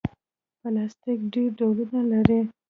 پلاستيک ډېر ډولونه لري.